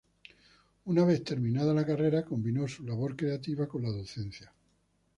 Una vez terminada la carrera, combinó su labor creativa con la docencia.